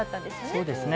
そうですね。